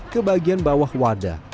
ke bagian bawah wadah